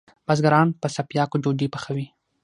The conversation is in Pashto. بزګران په څپیاکو ډوډئ پخوی